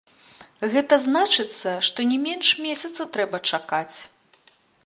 Гэта значыцца, што не менш месяца трэба чакаць.